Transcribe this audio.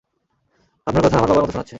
আপনার কথা আমার বাবার মত শোনাচ্ছে।